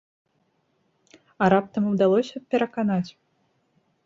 А раптам удалося б пераканаць?